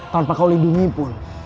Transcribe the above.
tanpa kau lindungi pun